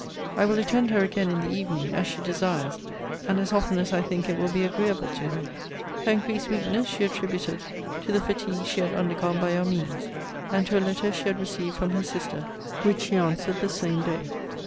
I will attend her again in the evening, as she desires, and as often as I think it will be agreeable to her.' Her increased weakness she attributed to the fatigues she had undergone by your means; and to a letter she had received from her sister, which she answered the same day.